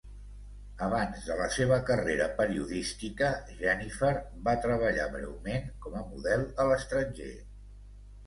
Abans de la seva carrera periodística, Jennifer va treballar breument com a model a l'estranger.